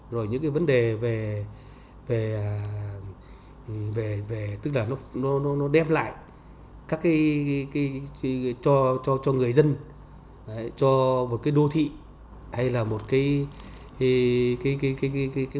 rồi những vấn đề về tức là nó đem lại cho người dân cho một cái đô thị hay là một cái mục